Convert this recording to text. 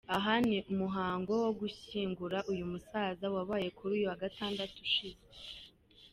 Aha ni mu muhango wo gushyingura uyu musaza wabaye kuri uyu wa Gatandatu ushize.